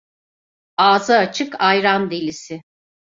Ağzı açık ayran delisi.